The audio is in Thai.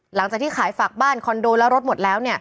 หลังจากที่ขายฝากบ้านคอนโดแล้วรถหมดแล้ว